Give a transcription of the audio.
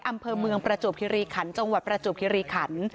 อำเภอเมืองประจวบคิริขันต์จังหวัดประจวบคิริขัน